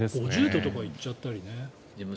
５０度とか行っちゃったりね。